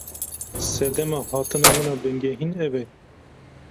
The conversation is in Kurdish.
Sedema hatina min a bingehîn ev e.